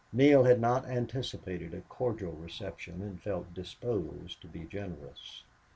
Neale had not anticipated a cordial reception and felt disposed to be generous.